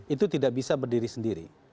itu tidak bisa berdiri sendiri